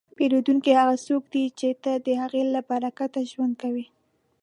پیرودونکی هغه څوک دی چې ته د هغه له برکته ژوند کوې.